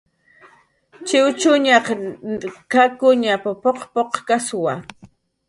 "Chiwchuñan kakuñp"" p""uq p""uqkkaswa"